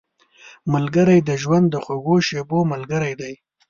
ملګری د ژوند د خوږو شېبو ملګری دی